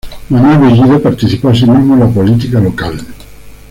Manuel Bellido participó asimismo en la política local.